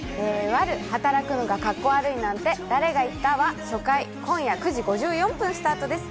『悪女働くのがカッコ悪いなんて誰が言った？』は初回今夜９時５４分スタートです。